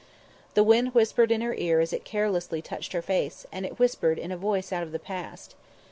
The wind whispered in her ear as it carelessly touched her face, and it whispered in a voice out of the past.